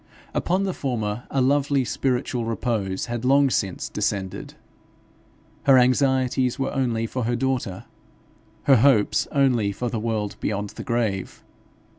Upon the former a lovely spiritual repose had long since descended. Her anxieties were only for her daughter, her hopes only for the world beyond the grave.